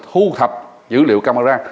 thu thập dữ liệu camera